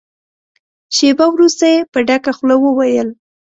شېبه وروسته يې په ډکه خوله وويل.